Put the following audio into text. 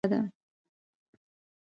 احمدشاه بابا د افغانانو د ویاړ نښه ده.